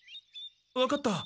わかった。